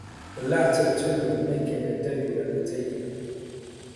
The latter two were making their debut at the taping.